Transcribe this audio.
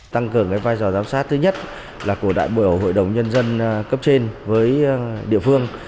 tăng cường vai trò giám sát thứ nhất là của đại biểu hội đồng nhân dân cấp trên với địa phương